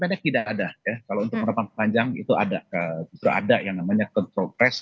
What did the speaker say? perubahan pendek tidak ada kalau untuk perubahan panjang itu sudah ada yang namanya control press